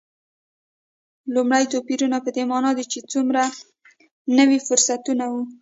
لومړ توپیرونه په دې معنا چې څومره نوي فرصتونه و.